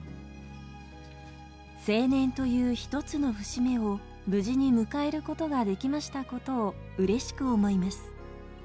成年という一つの節目を無事に迎えることができましたことをうれしく思います。